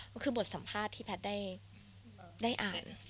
ก็คือบทสัมภาษณ์ที่แพทย์ได้อ่าน